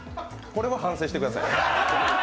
これは反省してください。